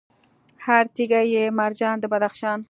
هر تیږه یې مرجان د بدخشان